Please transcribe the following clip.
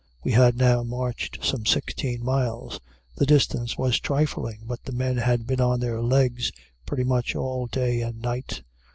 We had now marched some sixteen miles. The distance was trifling. But the men had been on their legs pretty much all day and night.